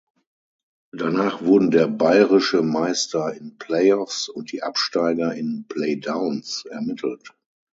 Danach wurden der Bayerische Meister in Playoffs und die Absteiger in Playdowns ermittelt.